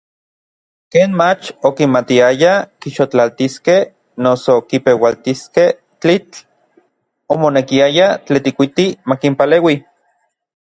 Ken mach okimatiayaj kixotlaltiskej noso kipeualtiskej tlitl, omonekiaya Tetlikuiti makinpaleui.